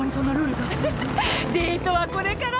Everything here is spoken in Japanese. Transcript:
フフフデートはこれから。